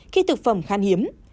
khi thực phẩm khán hiếm